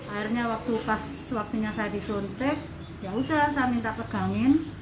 akhirnya waktu pas waktunya saya disuntik yaudah saya minta pegangin